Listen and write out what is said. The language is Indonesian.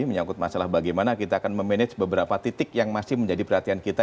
menyangkut masalah bagaimana kita akan memanage beberapa titik yang masih menjadi perhatian kita